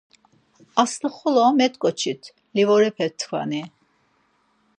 Astaxolo met̆ǩoçit livorepetkvani!